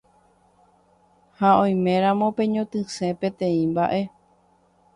Ha oiméramo peñotỹse peteĩ mba'e